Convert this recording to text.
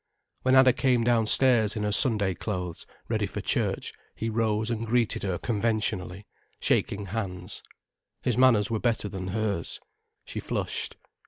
When Anna came downstairs in her Sunday clothes, ready for church, he rose and greeted her conventionally, shaking hands. His manners were better than hers. She flushed.